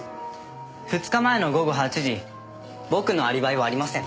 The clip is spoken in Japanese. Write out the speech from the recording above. ２日前の午後８時僕のアリバイはありません。